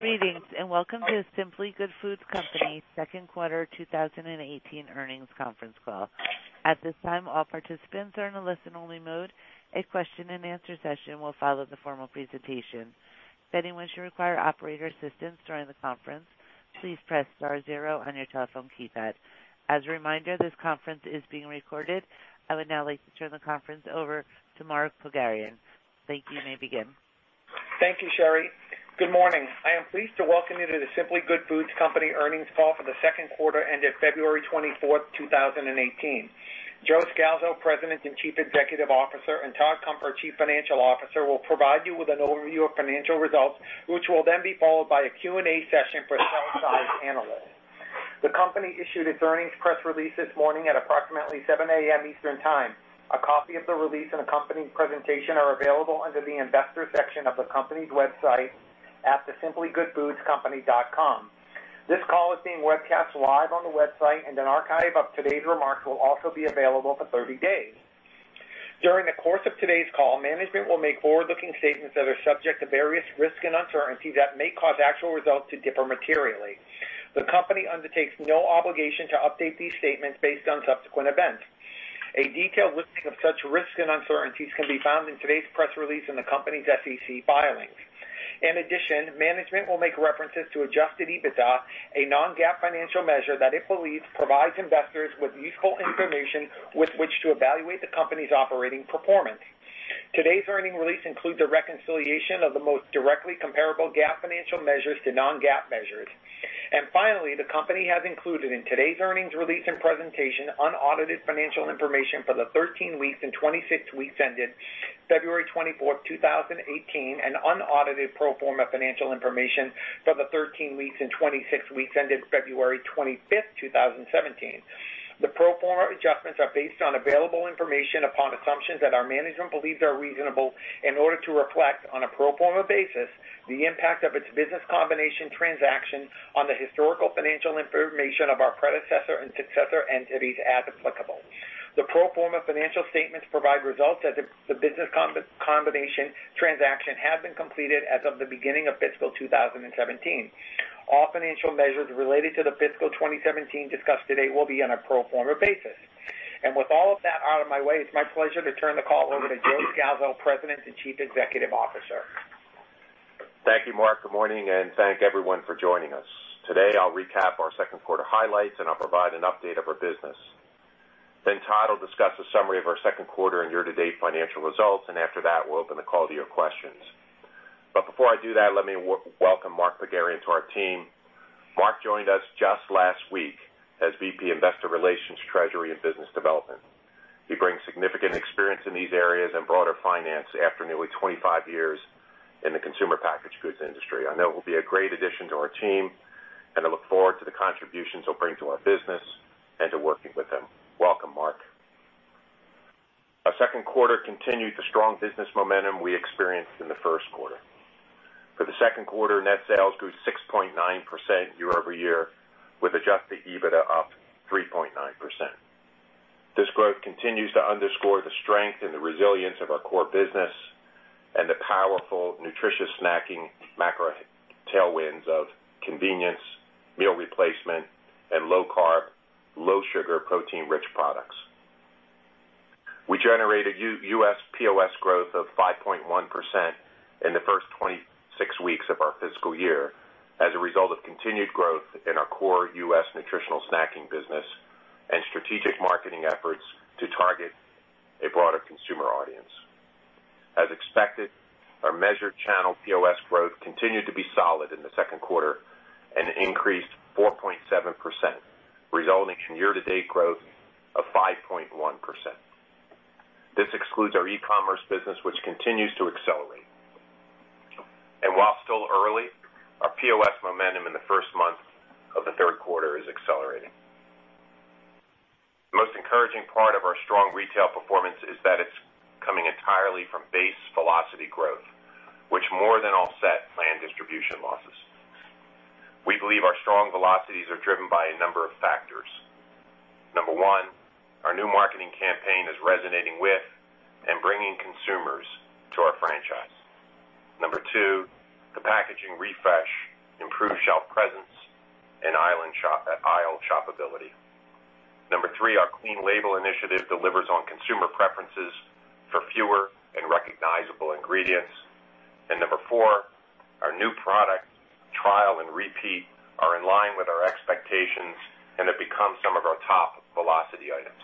Greetings, and welcome to The Simply Good Foods Company second quarter 2018 earnings conference call. At this time, all participants are in a listen-only mode. A question and answer session will follow the formal presentation. If anyone should require operator assistance during the conference, please press star zero on your telephone keypad. As a reminder, this conference is being recorded. I would now like to turn the conference over to Mark Pogharian. Thank you. You may begin. Thank you, Sherry. Good morning. I am pleased to welcome you to The Simply Good Foods Company earnings call for the second quarter ended February 24, 2018. Joe Scalzo, President and Chief Executive Officer, and Todd Cunfer, Chief Financial Officer, will provide you with an overview of financial results, which will then be followed by a Q&A session for sell-side analysts. The company issued its earnings press release this morning at approximately 7:00 A.M. Eastern Time. A copy of the release and accompanying presentation are available under the investors section of the company's website at thesimplygoodfoodscompany.com. This call is being webcast live on the website, and an archive of today's remarks will also be available for 30 days. During the course of today's call, management will make forward-looking statements that are subject to various risks and uncertainties that may cause actual results to differ materially. The company undertakes no obligation to update these statements based on subsequent events. A detailed listing of such risks and uncertainties can be found in today's press release in the company's SEC filings. In addition, management will make references to adjusted EBITDA, a non-GAAP financial measure that it believes provides investors with useful information with which to evaluate the company's operating performance. Finally, the company has included in today's earnings release and presentation unaudited financial information for the 13 weeks and 26 weeks ended February 24, 2018, and unaudited pro forma financial information for the 13 weeks and 26 weeks ended February 25, 2017. The pro forma adjustments are based on available information upon assumptions that our management believes are reasonable in order to reflect, on a pro forma basis, the impact of its business combination transaction on the historical financial information of our predecessor and successor entities as applicable. The pro forma financial statements provide results as if the business combination transaction had been completed as of the beginning of fiscal 2017. All financial measures related to the fiscal 2017 discussed today will be on a pro forma basis. With all of that out of my way, it's my pleasure to turn the call over to Joe Scalzo, President and Chief Executive Officer. Thank you, Mark. Good morning. Thank everyone for joining us. Today, I'll recap our second quarter highlights. I'll provide an update of our business. Todd will discuss a summary of our second quarter and year-to-date financial results. We'll open the call to your questions. Before I do that, let me welcome Mark Pogharian to our team. Mark joined us just last week as VP Investor Relations, Treasury and Business Development. He brings significant experience in these areas and broader finance after nearly 25 years in the consumer packaged goods industry. I know he'll be a great addition to our team. I look forward to the contributions he'll bring to our business and to working with him. Welcome, Mark. Our second quarter continued the strong business momentum we experienced in the first quarter. For the second quarter, net sales grew 6.9% year-over-year, with adjusted EBITDA up 3.9%. This growth continues to underscore the strength and the resilience of our core business. The powerful, nutritious snacking macro tailwinds of convenience, meal replacement, and low-carb, low-sugar, protein-rich products. We generated U.S. POS growth of 5.1% in the first 26 weeks of our fiscal year as a result of continued growth in our core U.S. nutritional snacking business and strategic marketing efforts to target a broader consumer audience. As expected, our measured channel POS growth continued to be solid in the second quarter, increasing 4.7%, resulting in year-to-date growth of 5.1%. This excludes our e-commerce business, which continues to accelerate. While still early, our POS momentum in the first month of the third quarter is accelerating. The most encouraging part of our strong retail performance is that it's coming entirely from base velocity growth, which more than offset planned distribution losses. We believe our strong velocities are driven by a number of factors. Number one, our new marketing campaign is resonating with and bringing consumers to our franchise. Number two, the packaging refresh, improved shelf presence, and aisle shopability. Number three, our clean label initiative delivers on consumer preferences for fewer and recognizable ingredients. Number four, our new product trial and repeat are in line with our expectations and have become some of our top velocity items.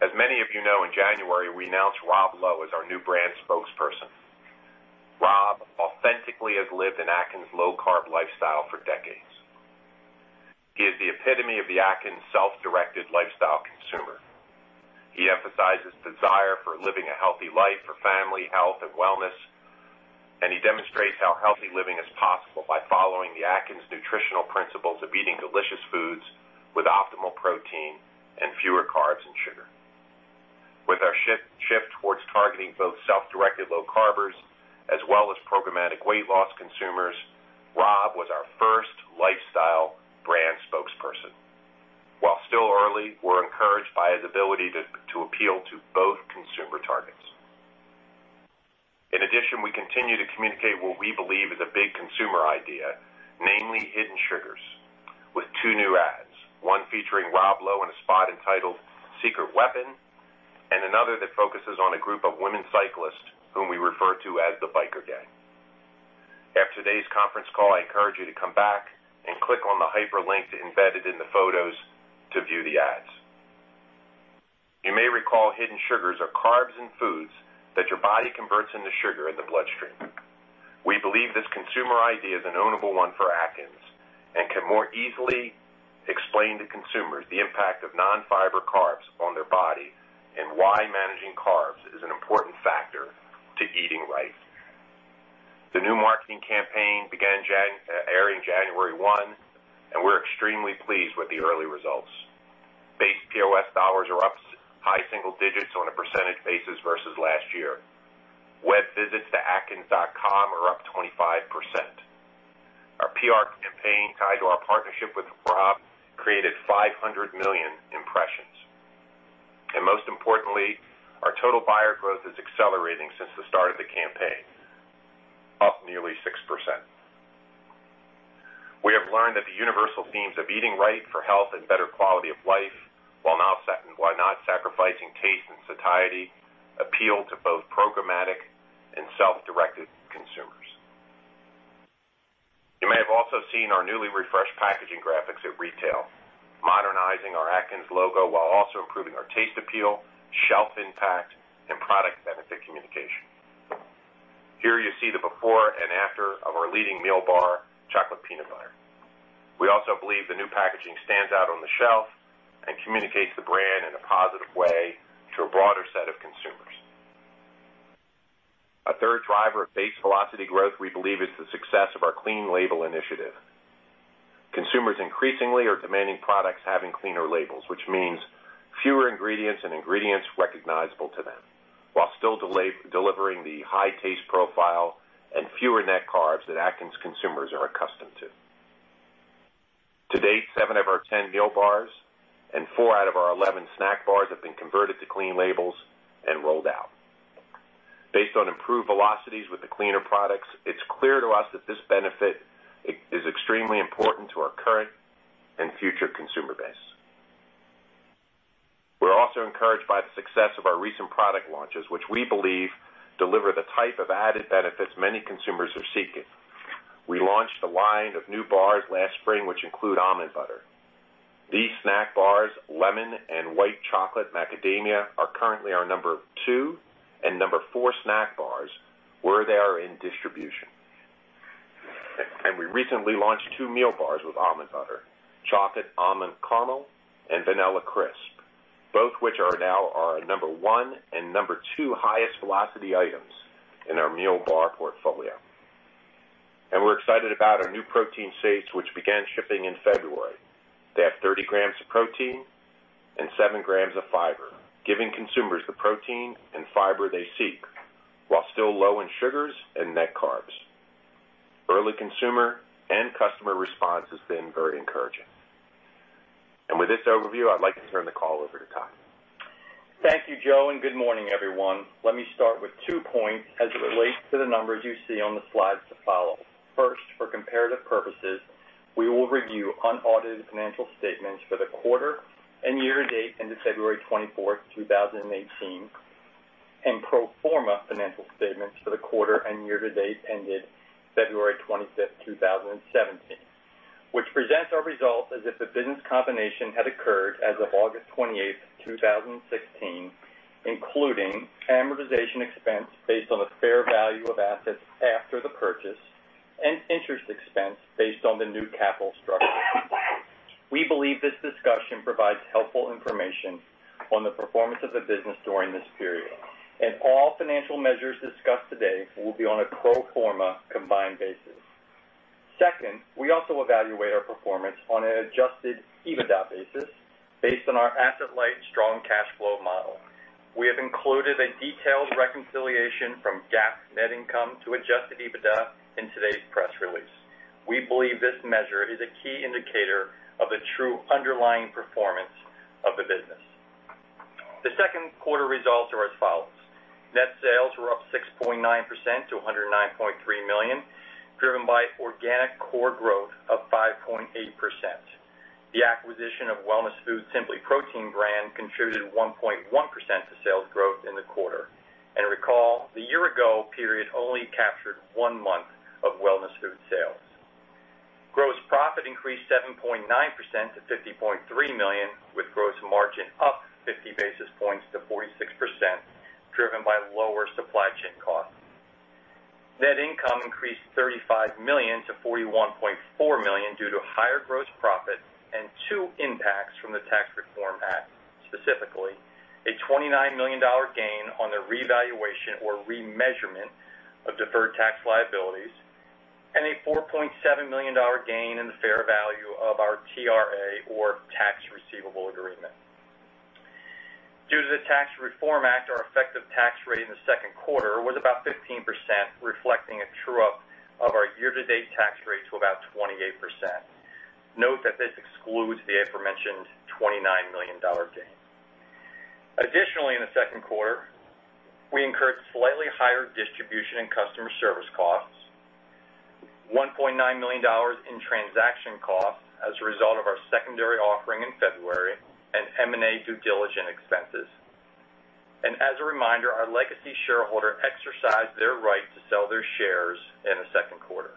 As many of you know, in January, we announced Rob Lowe as our new brand spokesperson. Rob authentically has lived an Atkins low-carb lifestyle for decades. He is the epitome of the Atkins self-directed lifestyle consumer. He emphasizes desire for living a healthy life for family, health, and wellness. He demonstrates how healthy living is possible by following the Atkins nutritional principles of eating delicious foods with optimal protein and fewer carbs and sugar. With our shift towards targeting both self-directed low carbers as well as programmatic weight loss consumers, Rob was our first lifestyle brand. We're encouraged by his ability to appeal to both consumer targets. We continue to communicate what we believe is a big consumer idea, namely hidden sugars, with two new ads, one featuring Rob Lowe in a spot entitled "Secret Weapon," and another that focuses on a group of women cyclists whom we refer to as the Biker Gang. After today's conference call, I encourage you to come back and click on the hyperlink embedded in the photos to view the ads. You may recall hidden sugars are carbs in foods that your body converts into sugar in the bloodstream. We believe this consumer idea is an ownable one for Atkins and can more easily explain to consumers the impact of non-fiber carbs on their body, and why managing carbs is an important factor to eating right. The new marketing campaign began airing January 1. We're extremely pleased with the early results. Base POS dollars are up high single digits on a percentage basis versus last year. Web visits to atkins.com are up 25%. Our PR campaign tied to our partnership with Rob created 500 million impressions. Most importantly, our total buyer growth is accelerating since the start of the campaign, up nearly 6%. We have learned that the universal themes of eating right for health and better quality of life, while not sacrificing taste and satiety, appeal to both programmatic and self-directed consumers. You may have also seen our newly refreshed packaging graphics at retail, modernizing our Atkins logo while also improving our taste appeal, shelf impact, and product benefit communication. Here you see the before and after of our leading meal bar, chocolate peanut butter. We also believe the new packaging stands out on the shelf and communicates the brand in a positive way to a broader set of consumers. A third driver of base velocity growth, we believe, is the success of our clean label initiative. Consumers increasingly are demanding products having cleaner labels, which means fewer ingredients and ingredients recognizable to them, while still delivering the high taste profile and fewer net carbs that Atkins consumers are accustomed to. To date, seven of our 10 meal bars and four out of our 11 snack bars have been converted to clean labels and rolled out. Based on improved velocities with the cleaner products, it's clear to us that this benefit is extremely important to our current and future consumer base. We're also encouraged by the success of our recent product launches, which we believe deliver the type of added benefits many consumers are seeking. We launched a line of new bars last spring, which include almond butter. These snack bars, lemon and white chocolate macadamia, are currently our number 2 and number 4 snack bars where they are in distribution. We recently launched two meal bars with almond butter, chocolate almond caramel and vanilla crisp, both which are now our number 1 and number 2 highest velocity items in our meal bar portfolio. We're excited about our new protein shakes, which began shipping in February. They have 30 grams of protein and seven grams of fiber, giving consumers the protein and fiber they seek while still low in sugars and net carbs. Early consumer and customer response has been very encouraging. With this overview, I'd like to turn the call over to Todd. Thank you, Joe, and good morning, everyone. Let me start with two points as it relates to the numbers you see on the slides to follow. First, for comparative purposes, we will review unaudited financial statements for the quarter and year to date end of February 24th, 2018, and pro forma financial statements for the quarter and year to date ended February 25th, 2017, which presents our results as if the business combination had occurred as of August 28th, 2016, including amortization expense based on the fair value of assets after the purchase and interest expense based on the new capital structure. We believe this discussion provides helpful information on the performance of the business during this period. All financial measures discussed today will be on a pro forma combined basis. Second, we also evaluate our performance on an adjusted EBITDA basis based on our asset-light strong cash flow model. We have included a detailed reconciliation from GAAP net income to adjusted EBITDA in today's press release. We believe this measure is a key indicator of the true underlying performance of the business. The second quarter results are as follows. Net sales were up 6.9% to $109.3 million, driven by organic core growth of 5.8%. The acquisition of Wellness Foods' SimplyProtein brand contributed 1.1% to sales growth in the quarter. Recall, the year ago period only captured one month of Wellness Foods sales. Gross profit increased 7.9% to $50.3 million, with gross margin up 50 basis points to 46%, driven by lower supply chain costs. Net income increased $35 million to $41.4 million due to higher gross profit and two impacts from the Tax Reform Act, specifically a $29 million gain on the revaluation or remeasurement of deferred tax liabilities and a $4.7 million gain in the fair value of our TRA, or tax receivable agreement. Due to the Tax Reform Act, our effective tax rate in the second quarter was about 15%, reflecting a true-up of our year-to-date tax rate to about 28%. Note that this excludes the aforementioned $29 million gain. Additionally, in the second quarter, we incurred slightly higher distribution and customer service costs, $1.9 million in transaction costs as a result of our secondary offering in February, and M&A due diligence expenses. As a reminder, our legacy shareholder exercised their right to sell their shares in the second quarter.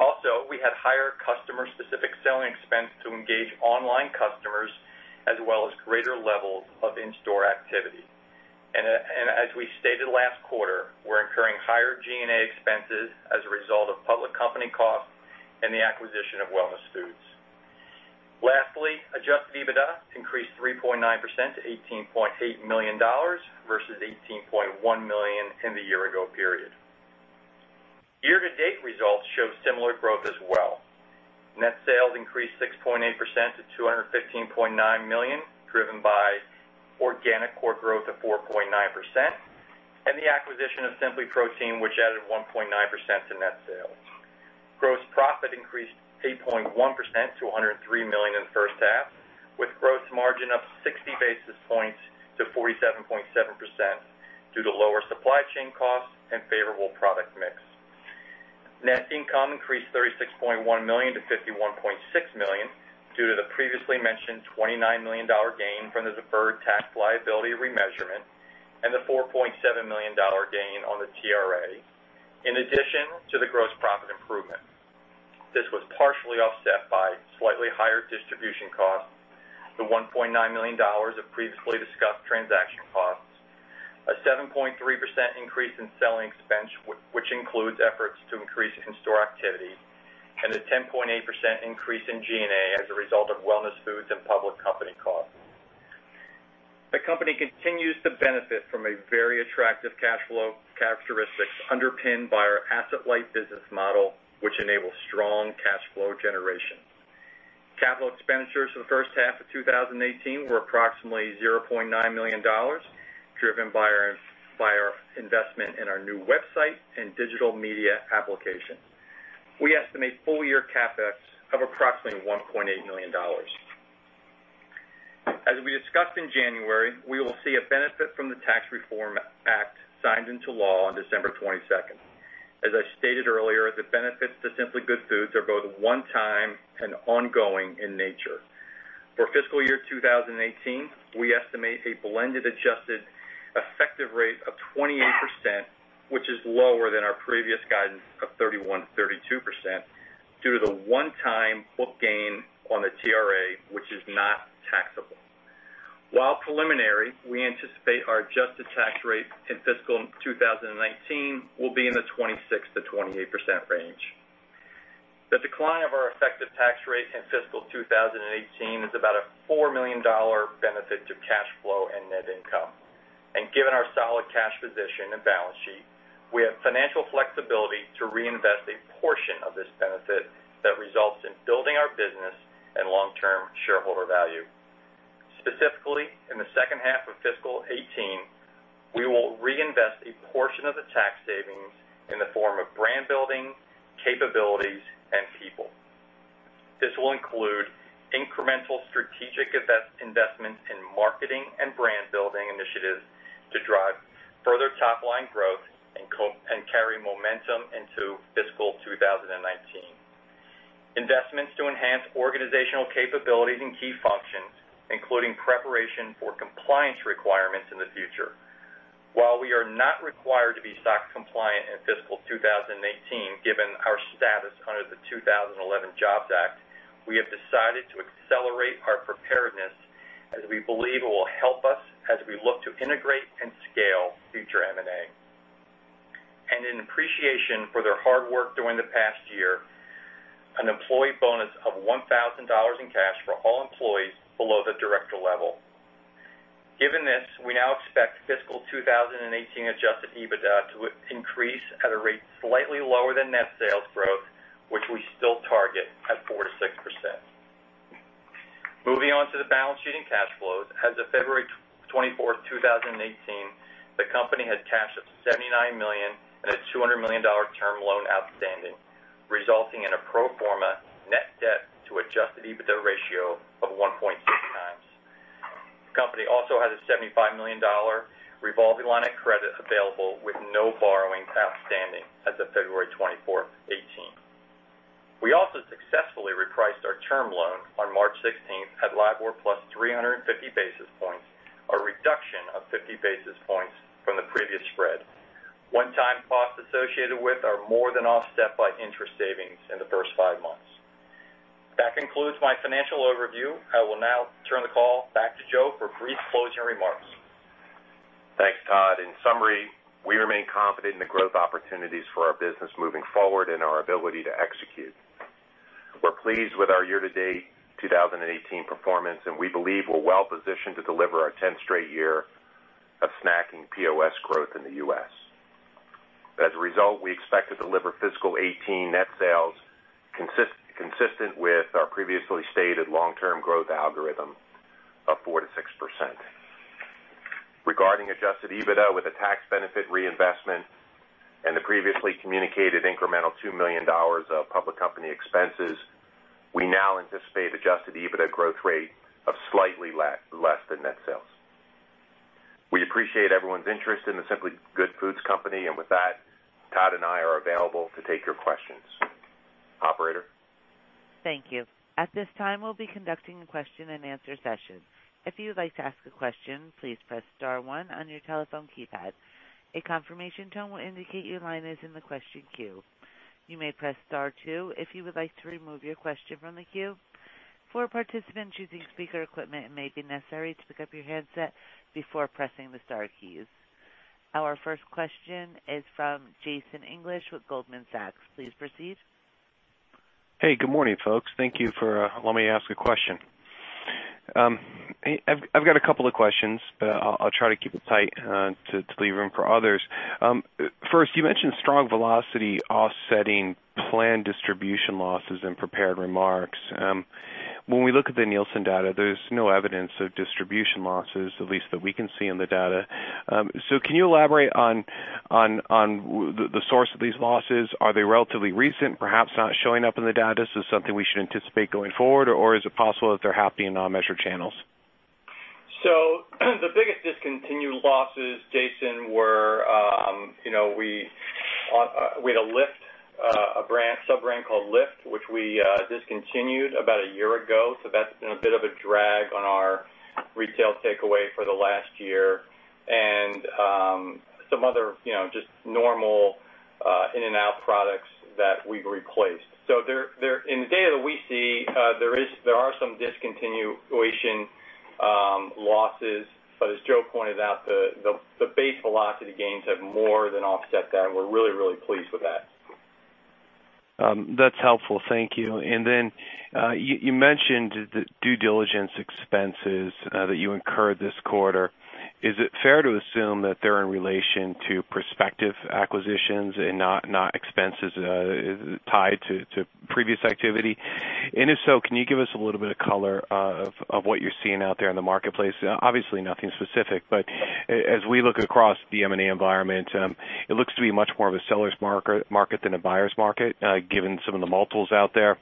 Also, we had higher customer-specific selling expense to engage online customers, as well as greater levels of in-store activity. As we stated last quarter, we're incurring higher G&A expenses as a result of public company costs and the acquisition of Wellness Foods. Lastly, adjusted EBITDA increased 3.9% to $18.8 million versus $18.1 million in the year ago period. Year-to-date results show similar growth as well. Net sales increased 6.8% to $215.9 million, driven by organic core growth of 4.9%, and the acquisition of SimplyProtein, which added 1.9% to net sales. Gross profit increased 8.1% to $103 million in the first half, with gross margin up 60 basis points to 47.7% due to lower supply chain costs and favorable product mix. Net income increased $36.1 million to $51.6 million due to the previously mentioned $29 million gain from the deferred tax liability remeasurement and the $4.7 million gain on the TRA, in addition to the gross profit improvement. This was partially offset by slightly higher distribution costs, the $1.9 million of previously discussed transaction costs, a 7.3% increase in selling expense, which includes efforts to increase in-store activity, and a 10.8% increase in G&A as a result of Wellness Foods and public company costs. The company continues to benefit from a very attractive cash flow characteristic underpinned by our asset-light business model, which enables strong cash flow generation. Capital expenditures for the first half of 2018 were approximately $0.9 million, driven by our investment in our new website and digital media application. We estimate full-year CapEx of approximately $1.8 million. As we discussed in January, we will see a benefit from the Tax Reform Act signed into law on December 22nd. As I stated earlier, the benefits to Simply Good Foods are both one time and ongoing in nature. For fiscal year 2018, we estimate a blended, adjusted effective rate of 28%, which is lower than our previous guidance of 31%-32% due to the one-time book gain on the TRA, which is not taxable. While preliminary, we anticipate our adjusted tax rate in fiscal 2019 will be in the 26%-28% range. The decline of our effective tax rate in fiscal 2018 is about a $4 million benefit to cash flow and net income. Given our solid cash position and balance sheet, we have financial flexibility to reinvest a portion of this benefit that results in building our business and long-term shareholder value. Specifically, in the second half of fiscal 2018, we will reinvest a portion of the tax savings in the form of brand building, capabilities, and people. This will include incremental strategic investments in marketing and brand-building initiatives to drive further top-line growth and carry momentum into fiscal 2019. Investments to enhance organizational capabilities and key functions, including preparation for compliance requirements in the future. While we are not required to be SOX compliant in fiscal 2018, given our status under the 2011 JOBS Act, we have decided to accelerate our preparedness, as we believe it will help us as we look to integrate and scale future M&A. In appreciation for their hard work during the past year, an employee bonus of $1,000 in cash for all employees below the director level. Given this, we now expect fiscal 2018 adjusted EBITDA to increase at a rate slightly lower than net sales growth, which we still target at 4%-6%. Moving on to the balance sheet and cash flows, as of February 24, 2018, the company had cash of $79 million and a $200 million term loan outstanding, resulting in a pro forma net debt to adjusted EBITDA ratio of 1.6 times. The company also has a $75 million revolving line of credit available with no borrowings outstanding as of February 24, 2018. We also successfully repriced our term loan on March 16th at LIBOR plus 350 basis points, a reduction of 50 basis points from the previous spread. One-time costs associated with are more than offset by interest savings in the first five months. That concludes my financial overview. I will now turn the call back to Joe for brief closing remarks. Thanks, Todd. In summary, we remain confident in the growth opportunities for our business moving forward and our ability to execute. We're pleased with our year-to-date 2018 performance. We believe we're well-positioned to deliver our 10th straight year POS growth in the U.S. As a result, we expect to deliver fiscal 2018 net sales consistent with our previously stated long-term growth algorithm of 4%-6%. Regarding adjusted EBITDA with a tax benefit reinvestment and the previously communicated incremental $2 million of public company expenses, we now anticipate adjusted EBITDA growth rate of slightly less than net sales. We appreciate everyone's interest in The Simply Good Foods Company. With that, Todd and I are available to take your questions. Operator? Thank you. At this time, we'll be conducting a question and answer session. If you would like to ask a question, please press star one on your telephone keypad. A confirmation tone will indicate your line is in the question queue. You may press star two if you would like to remove your question from the queue. For participants using speaker equipment, it may be necessary to pick up your handset before pressing the star keys. Our first question is from Jason English with Goldman Sachs. Please proceed. Hey, good morning, folks. Thank you for letting me ask a question. I've got a couple of questions. I'll try to keep it tight to leave room for others. First, you mentioned strong velocity offsetting plan distribution losses in prepared remarks. When we look at the Nielsen data, there's no evidence of distribution losses, at least that we can see in the data. Can you elaborate on the source of these losses? Are they relatively recent, perhaps not showing up in the data, so something we should anticipate going forward, or is it possible that they're happening in our measured channels? The biggest discontinued losses, Jason, were we had a Lift, a sub-brand called Lift, which we discontinued about a year ago. That's been a bit of a drag on our retail takeaway for the last year and some other just normal in and out products that we've replaced. In the data that we see, there are some discontinuation losses. As Joe pointed out, the base velocity gains have more than offset that, and we're really, really pleased with that. That's helpful. Thank you. You mentioned the due diligence expenses that you incurred this quarter. Is it fair to assume that they're in relation to prospective acquisitions and not expenses tied to previous activity? If so, can you give us a little bit of color of what you're seeing out there in the marketplace? Obviously, nothing specific, but as we look across the M&A environment, it looks to be much more of a seller's market than a buyer's market, given some of the multiples out there.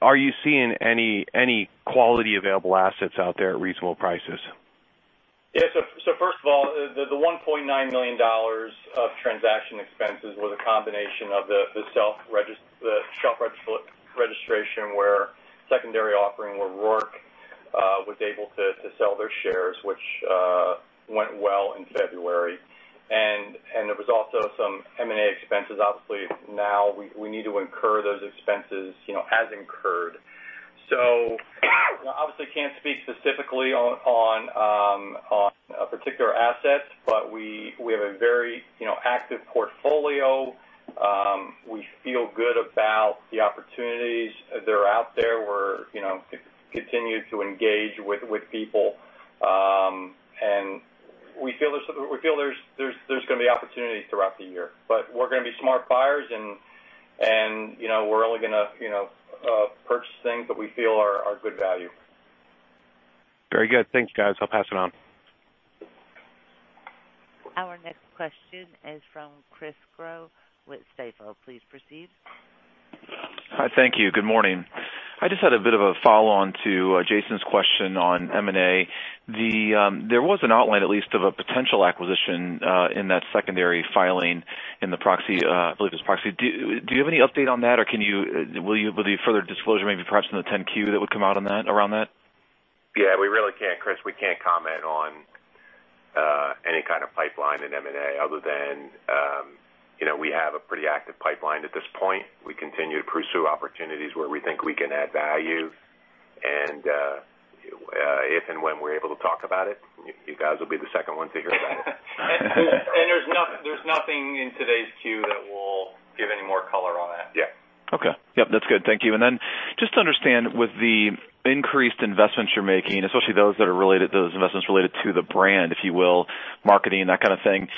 Are you seeing any quality available assets out there at reasonable prices? Yeah. First of all, the $1.9 million of transaction expenses was a combination of the self-registration where secondary offering, where Roark was able to sell their shares, which went well in February. There was also some M&A expenses. Obviously, now we need to incur those expenses as incurred. I obviously can't speak specifically on a particular asset, but we have a very active portfolio. We feel good about the opportunities that are out there. We're continuing to engage with people. We feel there's going to be opportunities throughout the year. We're going to be smart buyers and we're only going to purchase things that we feel are good value. Very good. Thanks, guys. I'll pass it on. Our next question is from Chris Growe with Stifel. Please proceed. Hi. Thank you. Good morning. I just had a bit of a follow-on to Jason's question on M&A. There was an outline, at least, of a potential acquisition in that secondary filing in the proxy, I believe it was proxy. Do you have any update on that, or will you further disclose maybe perhaps in the 10-Q that would come out around that? Yeah, we really can't, Chris. We can't comment on any kind of pipeline in M&A other than we have a pretty active pipeline at this point. We continue to pursue opportunities where we think we can add value. If and when we're able to talk about it, you guys will be the second ones to hear about it. There's nothing in today's Q that will give any more color on that. Yeah. Okay. Yep, that's good. Thank you. Just to understand, with the increased investments you're making, especially those investments related to the brand, if you will, marketing, that kind of thing,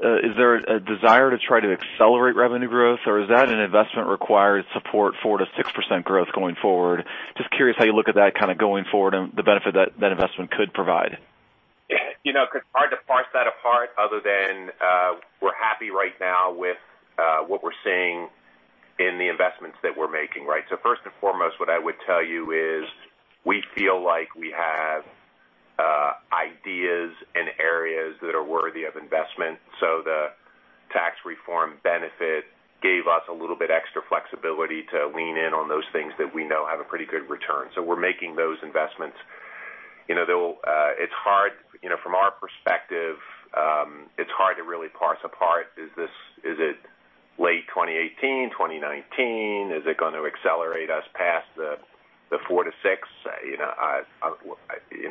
is there a desire to try to accelerate revenue growth, or is that an investment required support 4%-6% growth going forward? Just curious how you look at that going forward and the benefit that investment could provide. Chris, hard to parse that apart other than we're happy right now with what we're seeing in the investments that we're making. Right? First and foremost, what I would tell you is we feel like we have ideas and areas that are worthy of investment. The tax reform benefit gave us a little bit extra flexibility to lean in on those things that we know have a pretty good return. We're making those investments. From our perspective, it's hard to really parse apart, is it late 2018, 2019? Is it going to accelerate us past the 4%-6%?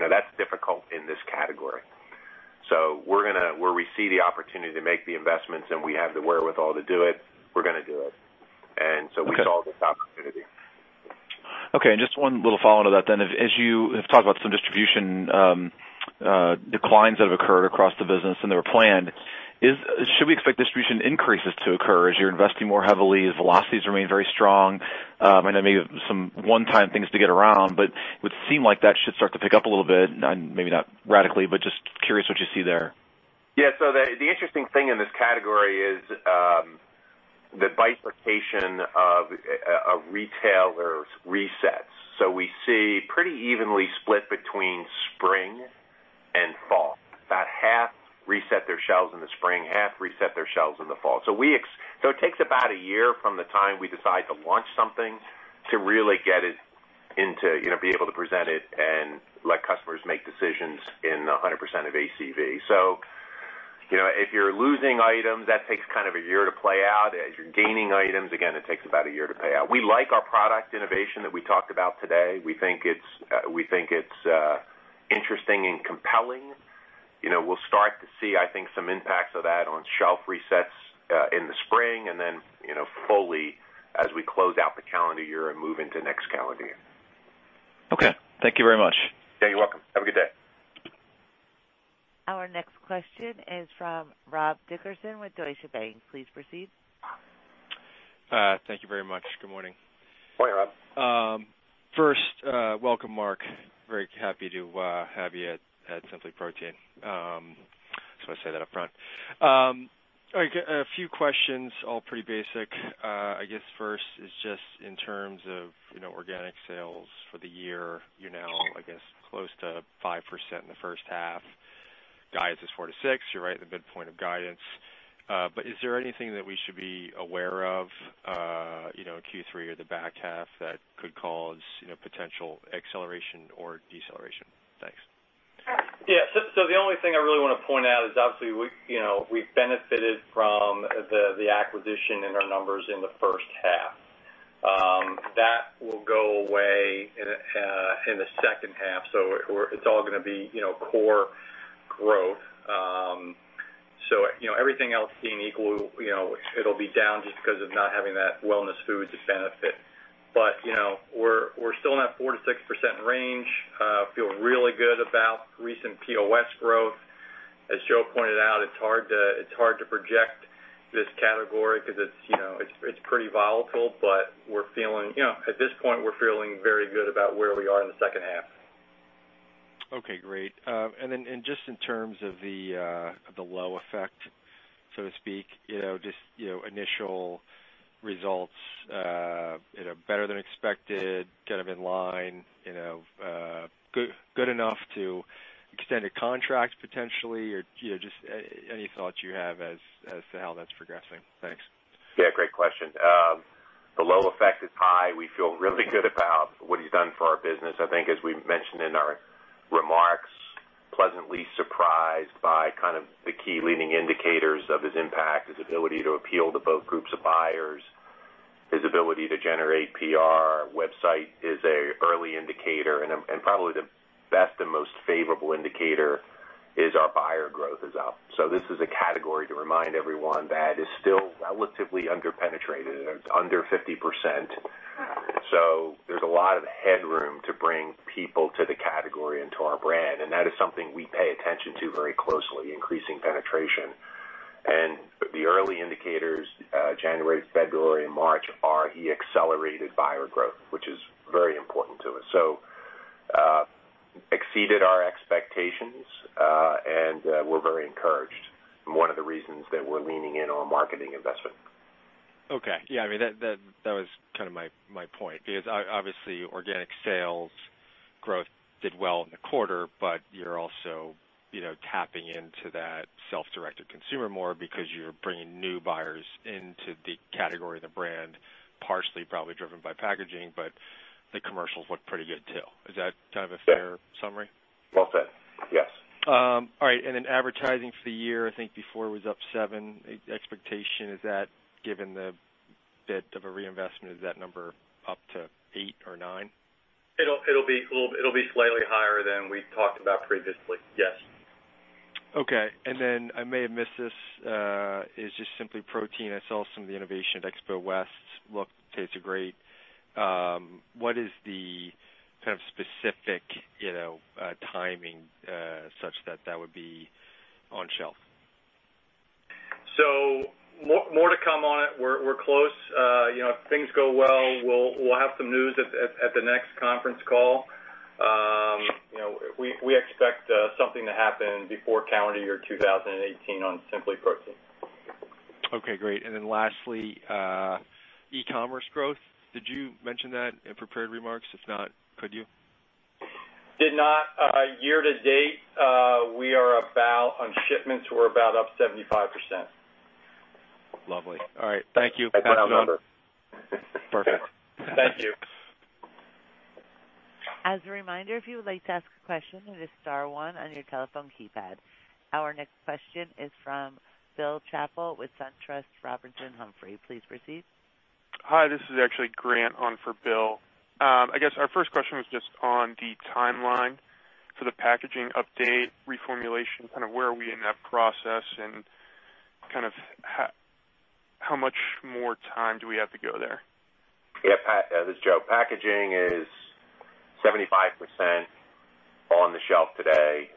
That's difficult in this category. Where we see the opportunity to make the investments and we have the wherewithal to do it, we're going to do it. We saw the- Okay. Just one little follow-on to that then. As you have talked about some distribution declines that have occurred across the business, and they were planned, should we expect distribution increases to occur as you're investing more heavily? Velocities remain very strong. I know maybe some one-time things to get around, but it would seem like that should start to pick up a little bit, maybe not radically, but just curious what you see there. Yeah. The interesting thing in this category is the bifurcation of retailers resets. We see pretty evenly split between spring and fall. About half reset their shelves in the spring, half reset their shelves in the fall. It takes about a year from the time we decide to launch something to really get it into, be able to present it and let customers make decisions in 100% of ACV. If you're losing items, that takes kind of a year to play out. As you're gaining items, again, it takes about a year to play out. We like our product innovation that we talked about today. We think it's interesting and compelling. We'll start to see, I think, some impacts of that on shelf resets in the spring and then, fully as we close out the calendar year and move into next calendar year. Okay. Thank you very much. Yeah, you're welcome. Have a good day. Our next question is from Rob Dickerson with Deutsche Bank. Please proceed. Thank you very much. Good morning. Morning, Rob. Welcome, Mark. Very happy to have you at SimplyProtein. Just want to say that up front. A few questions, all pretty basic. I guess first is just in terms of organic sales for the year. You are now, I guess, close to 5% in the first half. Guidance is 4%-6%. You are right at the midpoint of guidance. Is there anything that we should be aware of, Q3 or the back half, that could cause potential acceleration or deceleration? Thanks. Yeah. The only thing I really want to point out is obviously, we have benefited from the acquisition in our numbers in the first half. That will go away in the second half. It is all going to be core growth. Everything else being equal, it will be down just because of not having that Wellness Foods to benefit. We are still in that 4%-6% range. Feel really good about recent POS growth. As Joe pointed out, it is hard to project this category because it is pretty volatile, but at this point, we are feeling very good about where we are in the second half. Okay, great. Just in terms of the Lowe effect, so to speak, just initial results, better than expected, kind of in line, good enough to extend a contract potentially, or just any thoughts you have as to how that is progressing. Thanks. Yeah, great question. The Lowe effect is high. We feel really good about what he's done for our business. I think, as we mentioned in our remarks, pleasantly surprised by kind of the key leading indicators of his impact, his ability to appeal to both groups of buyers, his ability to generate PR. Website is a early indicator, and probably the best and most favorable indicator is our buyer growth is up. This is a category, to remind everyone, that is still relatively under-penetrated, under 50%. There's a lot of headroom to bring people to the category and to our brand, and that is something we pay attention to very closely, increasing penetration. The early indicators, January, February, and March are he accelerated buyer growth, which is very important to us. Exceeded our expectations, and we're very encouraged. One of the reasons that we're leaning in on marketing investment. Okay. Yeah, that was kind of my point is obviously organic sales growth did well in the quarter, you're also tapping into that self-directed consumer more because you're bringing new buyers into the category, the brand partially probably driven by packaging, the commercials look pretty good too. Is that kind of a fair summary? Well said. Yes. advertising for the year, I think before was up seven. Expectation, is that, given the bit of a reinvestment, is that number up to eight or nine? It'll be slightly higher than we've talked about previously. Yes. Okay. I may have missed this. Is just SimplyProtein, I saw some of the innovation at Expo West. Looked, tasted great. What is the kind of specific timing, such that that would be on shelf? More to come on it. We're close. If things go well, we'll have some news at the next conference call. We expect something to happen before calendar year 2018 on SimplyProtein. Okay, great. Lastly, e-commerce growth. Did you mention that in prepared remarks? If not, could you? Did not. Year to date, on shipments, we're about up 75%. Lovely. All right. Thank you. That's the number. Perfect. Thank you. As a reminder, if you would like to ask a question, it is star one on your telephone keypad. Our next question is from Bill Chappell with SunTrust Robinson Humphrey. Please proceed. Hi, this is actually Grant on for Bill. Our first question was just on the timeline for the packaging update, reformulation, where are we in that process and how much more time do we have to go there? This is Joe. Packaging is 75% on the shelf today.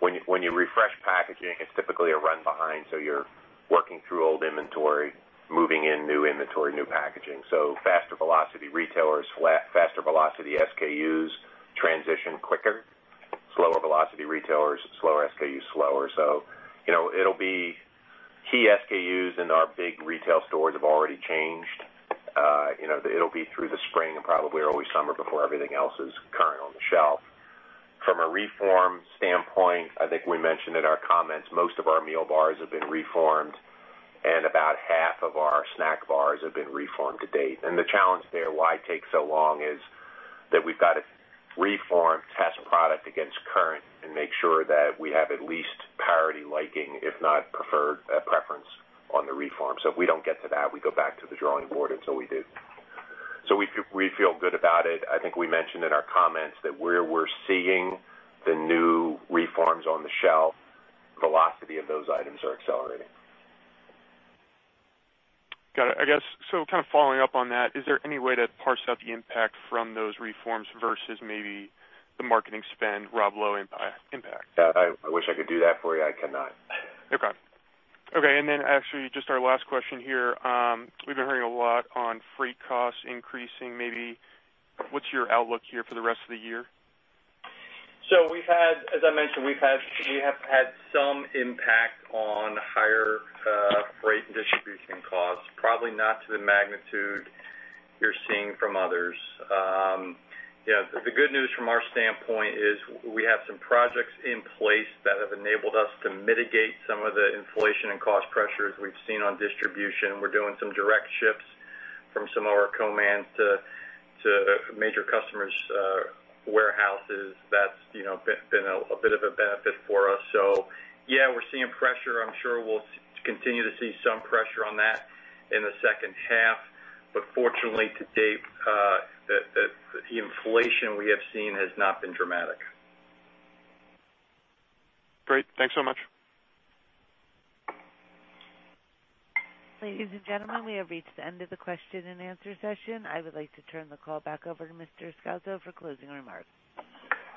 When you refresh packaging, it's typically a run behind, so you're working through old inventory, moving in new inventory, new packaging. Faster velocity retailers, faster velocity SKUs transition quicker. Slower velocity retailers, slower SKUs slower. It'll be key SKUs in our big retail stores have already changed. It'll be through the spring and probably early summer before everything else is current on the shelf. From a reform standpoint, I think we mentioned in our comments, most of our meal bars have been reformed, and about half of our snack bars have been reformed to date. The challenge there, why it takes so long is that we've got to reform test product against current and make sure that we have at least parity liking, if not preferred preference on the reform. If we don't get to that, we go back to the drawing board until we do. We feel good about it. I think we mentioned in our comments that where we're seeing the new forms on the shelf, velocity of those items are accelerating. Got it. Following up on that, is there any way to parse out the impact from those forms versus maybe the marketing spend Rob Lowe impact? I wish I could do that for you. I cannot. Okay. Then actually just our last question here. We've been hearing a lot on freight costs increasing, maybe what's your outlook here for the rest of the year? We've had, as I mentioned, we have had some impact on higher freight and distribution costs, probably not to the magnitude you're seeing from others. The good news from our standpoint is we have some projects in place that have enabled us to mitigate some of the inflation and cost pressures we've seen on distribution. We're doing some direct ships from some of our co-mans to major customers' warehouses. That's been a bit of a benefit for us. Yeah, we're seeing pressure. I'm sure we'll continue to see some pressure on that in the second half, but fortunately to date, the inflation we have seen has not been dramatic. Great. Thanks so much. Ladies and gentlemen, we have reached the end of the question and answer session. I would like to turn the call back over to Mr. Scalzo for closing remarks.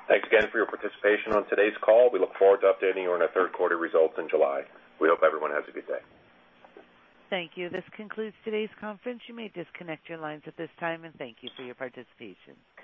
Thanks again for your participation on today's call. We look forward to updating you on our third quarter results in July. We hope everyone has a good day. Thank you. This concludes today's conference. You may disconnect your lines at this time, and thank you for your participation.